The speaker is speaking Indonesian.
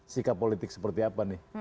sikap politik seperti apa nih